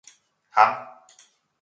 Ham.